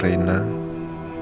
sampai jumpa lagi